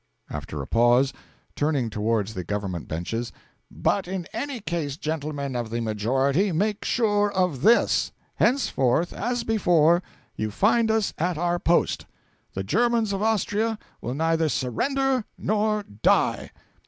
After a pause, turning towards the Government benches: 'But in any case, gentlemen of the Majority, make sure of this: henceforth, as before, you find us at our post. The Germans of Austria will neither surrender nor die!'